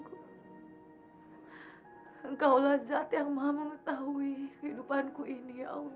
engkaulah zat yang maha mengetahui kehidupanku ini ya allah